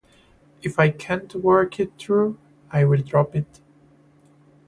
If I can't work it through, I will drop it.